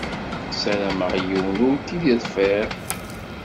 Sarameɣ yiwen ur k-in-iḍfiṛ.